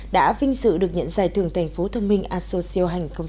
đã vinh dự được nhận giải thưởng thành phố thông minh associal hai nghìn một mươi chín